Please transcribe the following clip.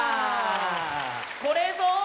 これぞ！